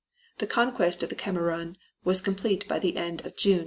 The conquest of the Kamerun was complete by the end of June, 1915.